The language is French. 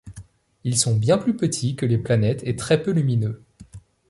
Ils sont bien plus petits que les planètes, et très peu lumineux.